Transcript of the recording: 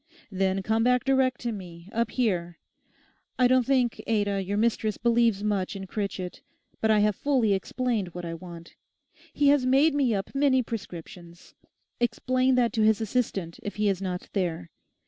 Then come back direct to me, up here. I don't think, Ada, your mistress believes much in Critchett; but I have fully explained what I want. He has made me up many prescriptions. Explain that to his assistant if he is not there.